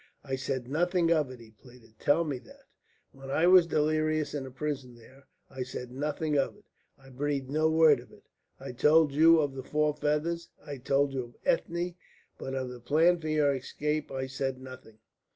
"I said nothing of it," he pleaded, "tell me that! When I was delirious in the prison there, I said nothing of it, I breathed no word of it? I told you of the four feathers, I told you of Ethne, but of the plan for your escape I said nothing."